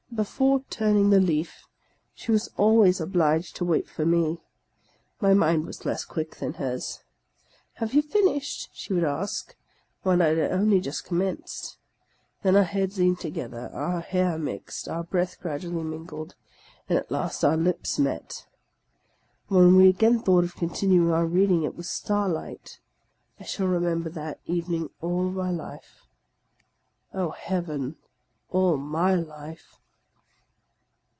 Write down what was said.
Before turning the leaf, she was always obliged to wait for me. My mind was less quick than hers. "Have you finished?" she would ask, when I had only just commenced. Then our heads leaned together, our hair mixed, our breath gradually mingled, and at last our lips met. When we again thought of continuing our reading it was starlight. I shall remember that evening all my life! Oh, heaven ! All my life